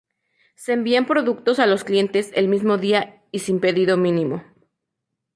Se envían productos a los clientes el mismo día y sin pedido mínimo.